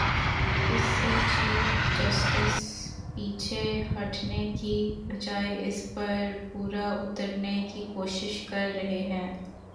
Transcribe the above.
اس سے chief justice پیچھے ہٹنے کی بجائے اس پر پورا اترنے کی کوشش کر رہے ہیں۔